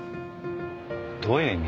どういう意味？